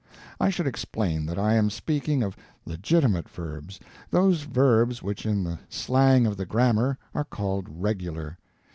I should explain that I am speaking of legitimate verbs, those verbs which in the slang of the grammar are called Regular.